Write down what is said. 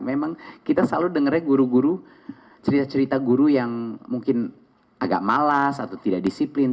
memang kita selalu dengarnya guru guru cerita cerita guru yang mungkin agak malas atau tidak disiplin